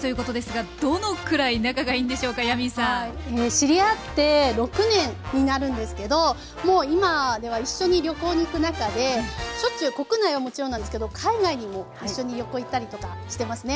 知り合って６年になるんですけどもう今では一緒に旅行に行く仲でしょっちゅう国内はもちろんなんですけど海外にも一緒に旅行行ったりとかしてますね。